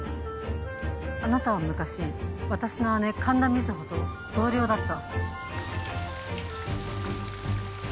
あなたは昔私の姉神田水帆と同僚だった。